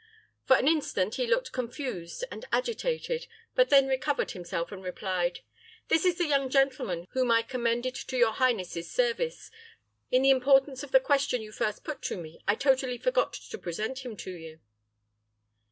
For an instant he looked confused and agitated, but then recovered himself, and replied, "This is the young gentleman whom I commended to your highness's service. In the importance of the question you first put to me, I totally forgot to present him to you."